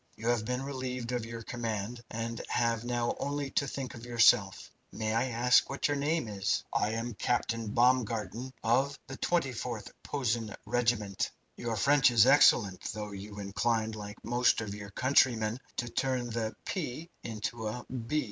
You have been relieved of your command, and have now only to think of yourself. May I ask what your name is?" "I am Captain Baumgarten of, the 24th Posen Regiment." "Your French is excellent, though you incline, like most of your countrymen, to turn the 'p' into a 'b.'